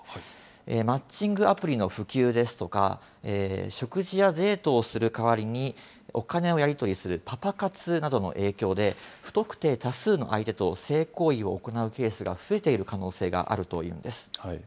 マッチングアプリの普及ですとか、食事やデートをする代わりに、お金をやり取りするパパ活などの影響で、不特定多数の相手と性行為を行うケースが増えている可能性があるというんです。